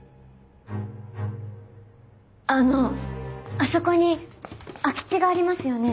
あのあそこに空き地がありますよね？